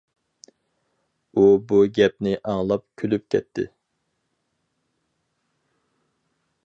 ئۇ بۇ گەپنى ئاڭلاپ كۈلۈپ كەتتى.